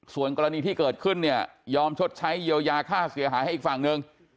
ส่วนกรณีที่เกิดขึ้นเนี่ยยอมชดใช้เยียวยาค่าเสียหายให้อีกฝั่งหนึ่ง